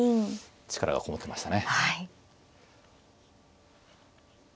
力がこもってましたね。